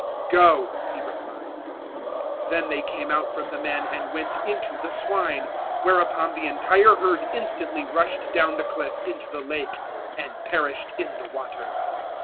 008:032 "Go," He replied. Then they came out from the men and went into the swine, whereupon the entire herd instantly rushed down the cliff into the Lake and perished in the water.